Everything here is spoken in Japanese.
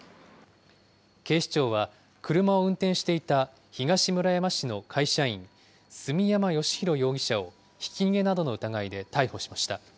警視庁は車を運転していた東村山市の会社員、住山禎宏容疑者をひき逃げなどの疑いで逮捕しました。